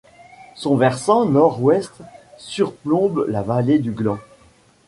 Son versant nord-ouest surplombe la vallée du Gland.